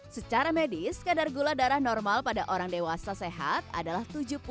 secara medis kadar gula darah normal pada orang dewasa sehat adalah